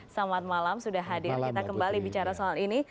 selamat malam sudah hadir kita kembali bicara soal ini